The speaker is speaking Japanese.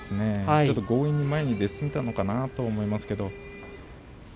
ちょっと強引に前に出すぎたのかなと思いますけれど。